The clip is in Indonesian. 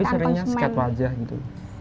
tapi seringnya sket wajah gitu